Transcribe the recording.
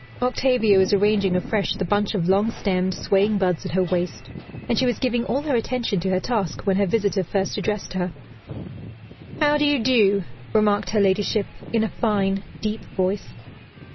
Octavia was arranging afresh the bunch of long stemmed, swaying buds at her waist, and she was giving all her attention to her task when her visitor first addressed her. "How do you do?" remarked her ladyship, in a fine, deep voice.